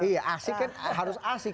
iya asik kan harus asik